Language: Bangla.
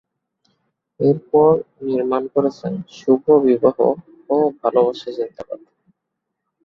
এরপর নির্মাণ করেছেন ‘শুভ বিবাহ’ ও ‘ভালোবাসা জিন্দাবাদ’।